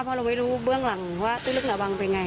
เพราะเราไม่รู้เบื้องหลังว่าที่ลึกระวังเป็นไง